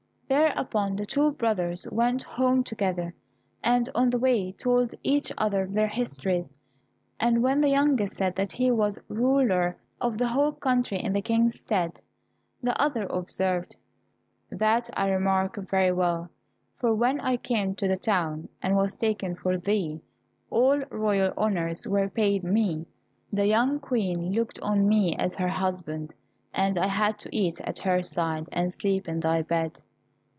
Thereupon the two brothers went home together, and on the way told each other their histories. And when the youngest said that he was ruler of the whole country in the King's stead, the other observed, "That I remarked very well, for when I came to the town, and was taken for thee, all royal honours were paid me; the young Queen looked on me as her husband, and I had to eat at her side, and sleep in thy bed."